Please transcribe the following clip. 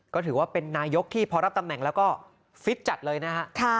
ก็ถือว่าเป็นนายกที่พอรับตำแหน่งแล้วก็ฟิตจัดเลยนะฮะ